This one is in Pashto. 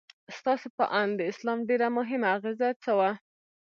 ستاسو په اند د اسلام ډېره مهمه اغیزه څه وه؟